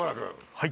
はい。